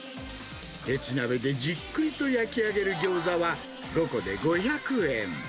鉄鍋でじっくりと焼き上げるギョーザは、５個で５００円。